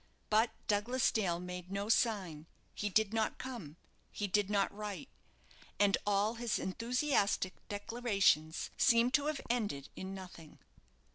But Douglas Dale made no sign, he did not come, he did not write, and all his enthusiastic declarations seemed to have ended in nothing.